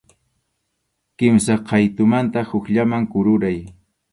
Kimsa qʼaytumanta hukllaman kururay.